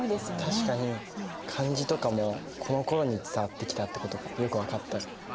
確かに漢字とかもこのころに伝わってきたってことがよく分かった。